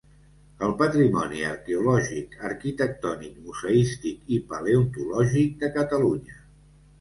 El patrimoni arqueològic, arquitectònic, museístic i paleontològic de Catalunya.